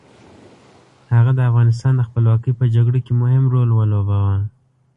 هغه د افغانستان د خپلواکۍ په جګړه کې مهم رول ولوباوه.